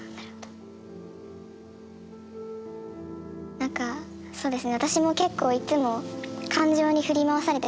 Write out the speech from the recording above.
何かそうですね。